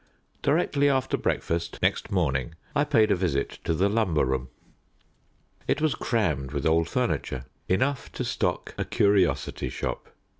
Directly after breakfast next morning I paid a visit to the lumber room. It was crammed with old furniture enough to stock a curiosity shop.